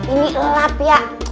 ini lelap ya